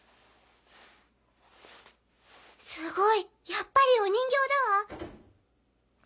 すごいやっぱりお人形だわ！